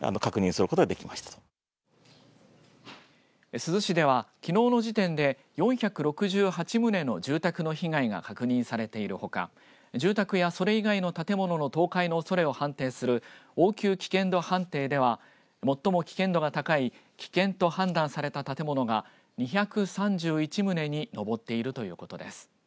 珠洲市では、きのうの時点で４６８棟の住宅の被害が確認されているほか住宅やそれ以外の建物の倒壊のおそれを判定する応急危険度判定では最も危険度が高い危険と判断された建物が２３１棟に上っているということです。